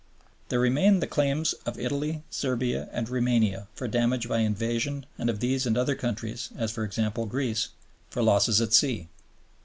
There remain the claims of Italy, Serbia, and Roumania for damage by invasion and of these and other countries, as for example Greece, for losses at sea.